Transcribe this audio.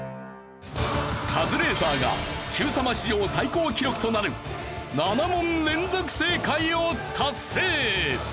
カズレーザーが『Ｑさま！！』史上最高記録となる７問連続正解を達成！